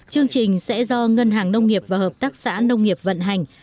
chương trình sẽ do ngân hàng nông nghiệp và hợp tác xã nông nghiệp vận hành